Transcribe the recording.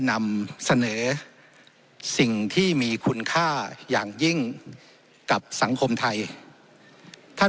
นำเสนอสิ่งที่มีคุณค่าอย่างยิ่งกับสังคมไทยท่าน